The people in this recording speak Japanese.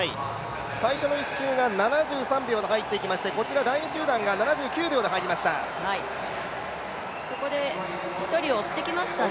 最初の１周が７３秒で入ってきました第２集団がそこで１人、追ってきましたね。